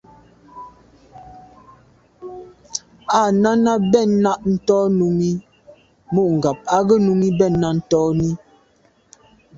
Â Náná bɛ̂n náɁ tɔ́ Númí mû ŋgáp á gə́ Númí bɛ̂n náɁ tɔ́n–í.